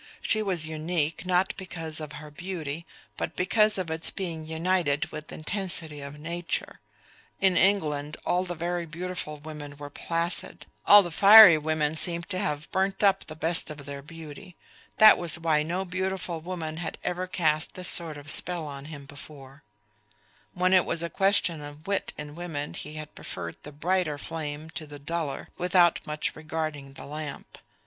she was unique not because of her beauty but because of its being united with intensity of nature; in England all the very beautiful women were placid, all the fiery women seemed to have burnt up the best of their beauty; that was why no beautiful woman had ever cast this sort of spell on him before; when it was a question of wit in women he had preferred the brighter flame to the duller, without much regarding the lamp.